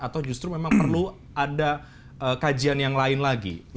atau justru memang perlu ada kajian yang lain lagi